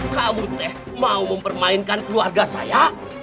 kamu teh mau mempermainkan keluarga saya